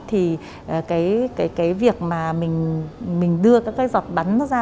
thì cái việc mà mình đưa các cái giọt bắn ra